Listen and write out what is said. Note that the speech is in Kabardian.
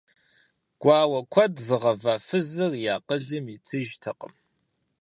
Гуауэ куэд зыгъэва фызыр и акъылым итыжтэкъым.